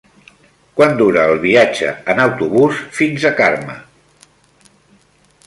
Quant dura el viatge en autobús fins a Carme?